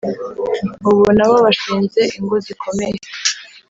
Ubu na bo bashinze ingo zikomeye.